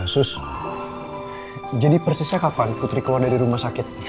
sus jadi persisnya kapan putri keluar dari rumah sakit